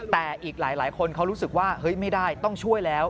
แต่อีกหลายคนเขารู้สึกว่าเฮ้ยไม่ได้ต้องช่วยแล้ว